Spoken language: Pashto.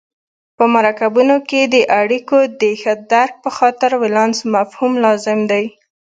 په مرکبونو کې د اړیکو د ښه درک په خاطر ولانس مفهوم لازم دی.